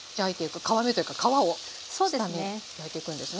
皮目というか皮を下に焼いていくんですね。